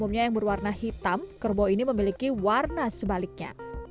sebelumnya yang berwarna hitam kerbau ini memiliki warna sebaliknya